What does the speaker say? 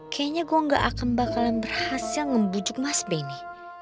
kayanya gua gak akan bakalan berhasil ngebujuk mas benny